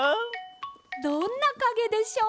どんなかげでしょう？